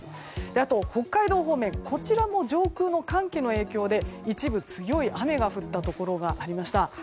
あと、北海道方面も上空の寒気の影響で一部、強い雨が降ったところがありました。